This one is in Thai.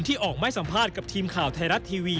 ที่ออกไม้สัมภาษณ์กับทีมข่าวไทยรัติ์ทีวี